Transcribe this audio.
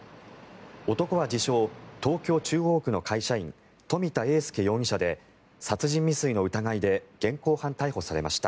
男は自称、東京・中央区の会社員冨田英佑容疑者で殺人未遂の疑いで現行犯逮捕されました。